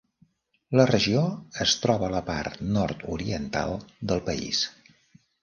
La regió es troba a la part nord-oriental del país.